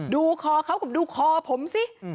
ดูคอเขากับดูคอผมสิ